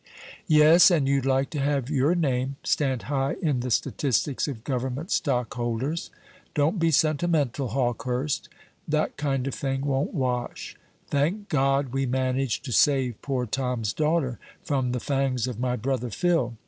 "Yes, and you'd like to have your name stand high in the statistics of Government stockholders. Don't be sentimental, Hawkehurst; that kind of thing won't wash. Thank God, we managed to save poor Tom's daughter from the fangs of my brother Phil.